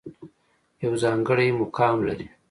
يو ځانګړے مقام لري